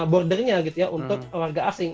bordernya gitu ya untuk warga asing